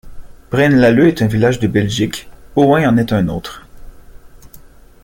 Braine-l’Alleud est un village de Belgique, Ohain en est un autre.